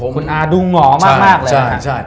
คุณอาดูหงอมากเลย